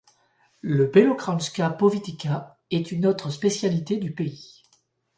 Le Belokranjska povitica est une autre spécialité du pays.